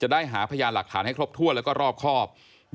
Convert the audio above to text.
ได้หาพยานหลักฐานให้ครบถ้วนแล้วก็รอบครอบ